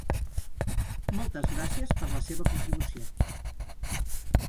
Moltes gràcies per la seva contribució.